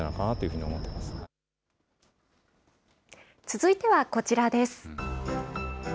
続いてはこちらです。